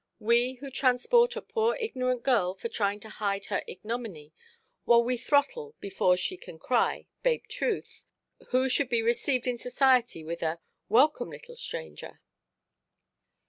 —we who transport a poor ignorant girl for trying to hide her ignominy, while we throttle, before she can cry, babe Truth, who should be received in society with a "Welcome, little stranger"!